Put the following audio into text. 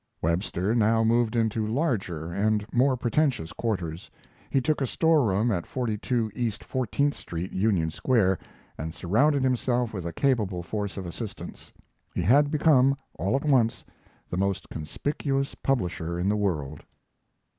Webster now moved into larger and more pretentious quarters. He took a store room at 42 East 14th Street, Union Square, and surrounded himself with a capable force of assistants. He had become, all at once, the most conspicuous publisher in the world.